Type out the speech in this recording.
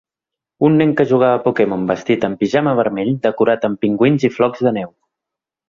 Un nen que juga a Pokemon vestit amb pijama vermell decorat amb pingüins i flocs de neu.